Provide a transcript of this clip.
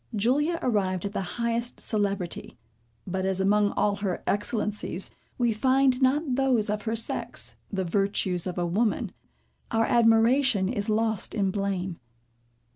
Julia arrived at the highest celebrity; but as among all her excellencies, we find not those of her sex, the virtues of a woman, our admiration is lost in blame.